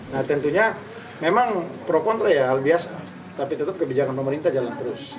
nah tentunya memang pro kontra ya hal biasa tapi tetap kebijakan pemerintah jalan terus